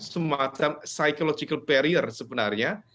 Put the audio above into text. semacam psychological barrier sebenarnya